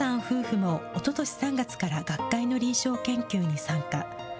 夫婦もおととし３月から学会の臨床研究に参加。